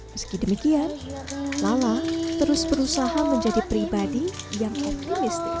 meski demikian lama terus berusaha menjadi pribadi yang optimistis